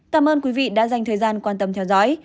cảm ơn quý vị đã dành thời gian quan tâm theo dõi